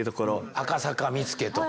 赤坂見附とか。